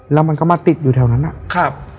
แล้วมันก็มาติดอยู่แถวนั้นอ่ะครับ